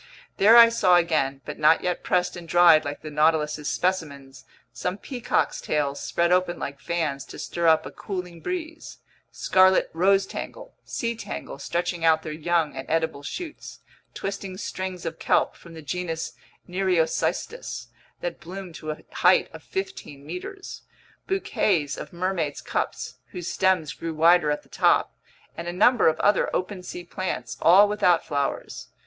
There I saw again, but not yet pressed and dried like the Nautilus's specimens, some peacock's tails spread open like fans to stir up a cooling breeze, scarlet rosetangle, sea tangle stretching out their young and edible shoots, twisting strings of kelp from the genus Nereocystis that bloomed to a height of fifteen meters, bouquets of mermaid's cups whose stems grew wider at the top, and a number of other open sea plants, all without flowers.